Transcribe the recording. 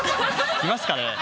来ますかね？